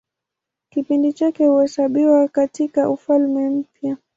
Kipindi chake huhesabiwa katIka Ufalme Mpya.